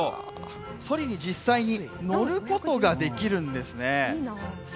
そりに実際に乗ることができるんですね。